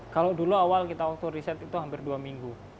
kalau dulu awal kita waktu riset itu hampir dua minggu